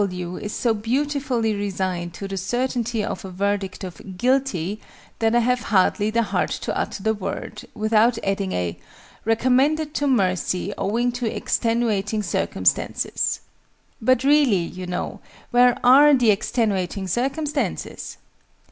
W. is so beautifully resigned to the certainty of a verdict of "guilty," that I have hardly the heart to utter the word, without adding a "recommended to mercy owing to extenuating circumstances." But really, you know, where are the extenuating circumstances?